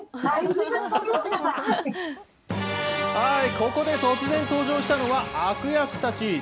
ここで突然登場したのは、悪役たち。